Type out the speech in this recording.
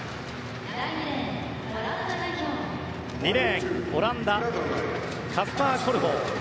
２レーンオランダ、カスパー・コルボー。